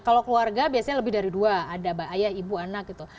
kalau keluarga biasanya lebih dari dua ada ayah ibu anak gitu